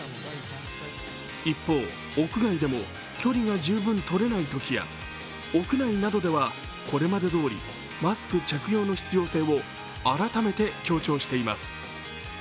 一方、屋外でも距離が十分取れないときや屋内などでは、これまでどおりマスク着用の必要性を改めて強調しています。